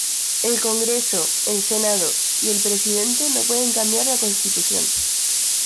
El Congreso, el Senado y el Presidente no pueden cambiar la constitución".